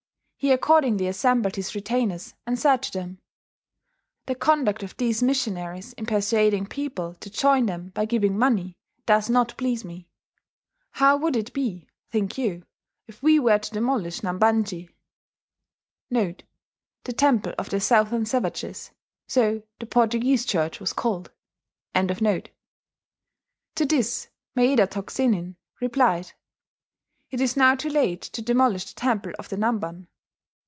He accordingly assembled his retainers, and said to them: 'The conduct of these missionaries in persuading people to join them by giving money, does not please me. How would it be, think you, if we were to demolish Nambanji [The "Temple of the Southern Savages" so the Portuguese church was called]?' To this Mayeda Tokuzenin replied. 'It is now too late to demolish the Temple of the Namban.